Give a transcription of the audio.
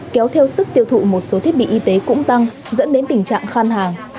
kéo theo sức tiêu thụ một số thiết bị y tế cũng tăng dẫn đến tình trạng khan hàng